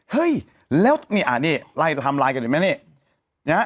เฮ้ยแล้วนี่ไล่ไทม์ไลน์กันเห็นไหมนี่นะฮะ